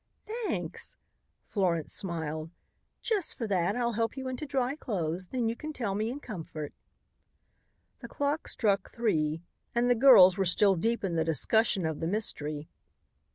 "Thanks," Florence smiled. "Just for that I'll help you into dry clothes, then you can tell me in comfort." The clock struck three and the girls were still deep in the discussion of the mystery.